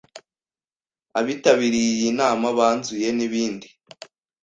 Abitabiriye iyi nama banzuye nibindi